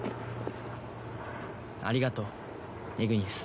ありがとうイグニス。